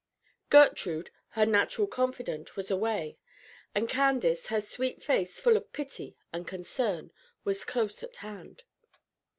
Gertrude, her natural confidante, was away; and Candace, her sweet face full of pity and concern, was close at hand.